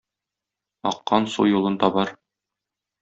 Аккан су юлын табар.